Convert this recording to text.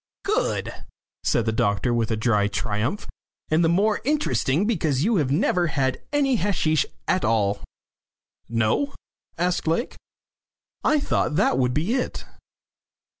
"Good," said the doctor, with dry triumph. "And the more interesting because you have never had any hasheesh at all." "No?" asked Lake. "I thought that would be it."